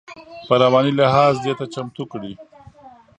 په رواني لحاظ دې ته چمتو کړي.